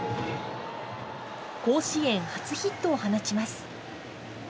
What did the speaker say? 甲子園初ヒットを放ちます。